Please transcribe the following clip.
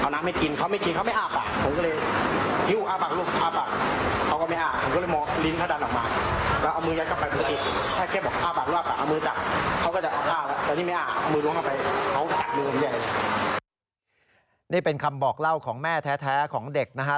นี่เป็นคำบอกเล่าของแม่แท้ของเด็กนะฮะ